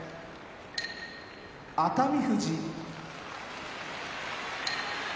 熱海富士静岡県出身